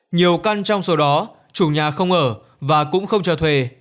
nhiều căn trong số đó chủ nhà không ở và cũng không cho thuê